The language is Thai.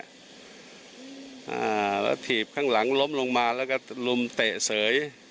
อ่าถีบข้างหลังล้มลงมาแล้วก็ลุมเตะเสย